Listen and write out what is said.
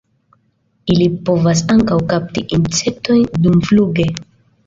Ili povas ankaŭ kapti insektojn dumfluge.